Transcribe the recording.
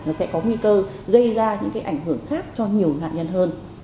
nó sẽ có nguy cơ gây ra những cái ảnh hưởng khác cho nhiều nạn nhân hơn